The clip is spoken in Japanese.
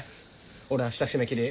俺明日締め切り。